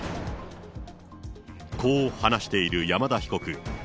こう話している山田被告。